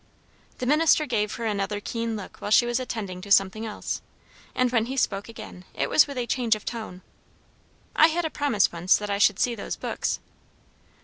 The minister gave her another keen look while she was attending to something else, and when he spoke again it was with a change of tone. "I had a promise once that I should see those books."